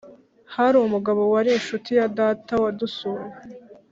hari umugabo wari inshuti ya data wadusuye,